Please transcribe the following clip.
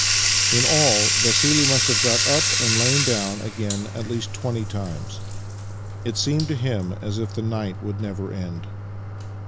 In all, Vassili must have got up and lain down again at least twenty times. It seemed to him as if the night would never end.